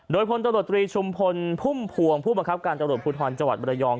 โดยผลตรวจตรีชุมพลพุ่มพวงผู้บังคับการตรวจภูทรจมรยอง